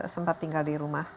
sempat tinggal di rumah